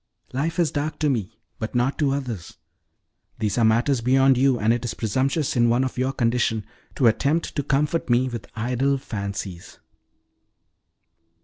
Life is dark to me, but not to others: these are matters beyond you, and it is presumptuous in one of your condition to attempt to comfort me with idle fancies."